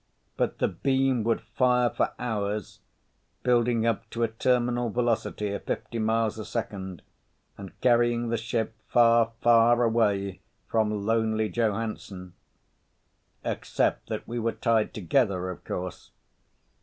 But the beam would fire for hours, building up to a terminal velocity of fifteen miles a second and carrying the ship far, far away from lonely Joe Hansen. Except that we were tied together, of course.